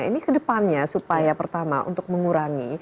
ini kedepannya supaya pertama untuk mengurangi